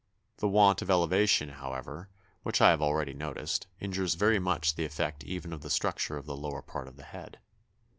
The want of elevation, however, which I have already noticed, injures very much the effect even of the structure of the lower part of the head....